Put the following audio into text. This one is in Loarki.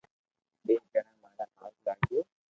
ٻئير جڻي ماري ھاٿ لاگيو